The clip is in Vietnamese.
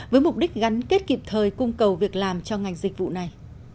với mục đích gắn kết kịp thời cung cầu việc làm cho ngành dịch vụ này